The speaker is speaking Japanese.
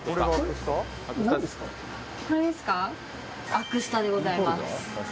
アクスタでございます